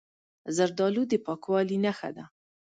زردالو د پاکوالي نښه ده.